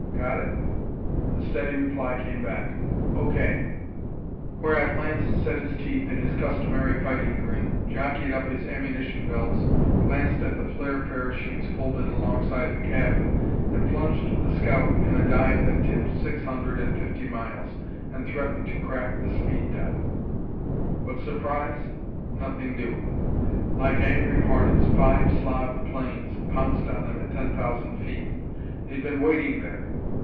Got it?" The steady reply came back: "Okay." Whereat Lance set his teeth in his customary fighting grin, jockied up his ammunition belts, glanced at the flare parachutes folded alongside the cabin and plunged the scout in a dive that tipped six hundred and fifty miles and threatened to crack the speed dial. But surprise? Nothing doing! Like angry hornets five Slav planes pounced on them at ten thousand feet. They'd been waiting there!